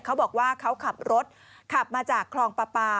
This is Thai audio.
เขาบอกว่าเขาขับรถขับมาจากคลองปลาปลา